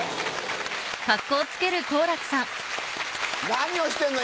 何をしてんの！